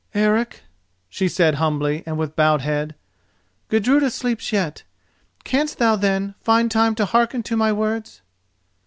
"Eric," she said humbly and with bowed head, "Gudruda sleeps yet. Canst thou, then, find time to hearken to my words?"